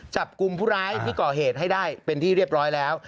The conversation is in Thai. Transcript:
จับกลุ่มผู้ร้ายที่ก่อเหตุให้ได้เป็นที่เรียบร้อยแล้ว